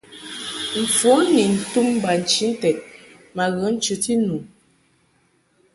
Mfon ni ntum bachinted ma ghə nchəti nu.